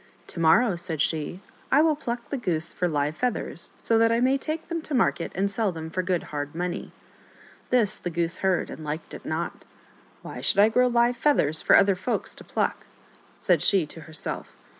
" To morrow," said she, " I will pluck the goose for live feathers, so that I may take them to market and sell them for good hard money." This the goose heard, and liked it not. " Why should I grow live feathers for other folks to pluck ?" said she to herself.